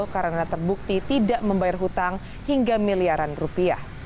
karena terbukti tidak membayar hutang hingga miliaran rupiah